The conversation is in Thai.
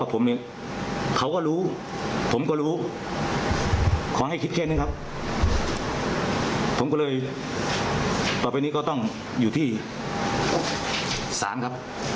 ต่อไปนี้ก็ต้องอยู่ที่สารครับ